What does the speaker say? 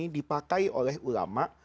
dipakai oleh ulama